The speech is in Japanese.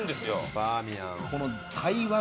バーミヤン。